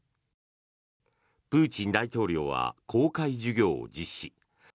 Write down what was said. プーチン大統領は公開授業を実施。